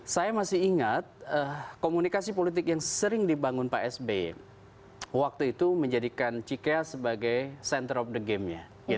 saya masih ingat komunikasi politik yang sering dibangun pak sby waktu itu menjadikan cikeas sebagai center of the game nya